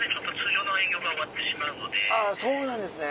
あぁそうなんですね。